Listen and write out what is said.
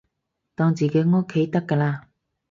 當自己屋企得㗎喇